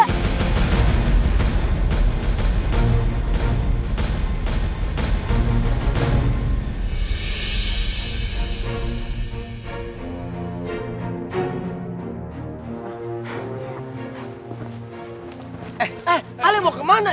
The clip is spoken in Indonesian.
eh ale mau kemana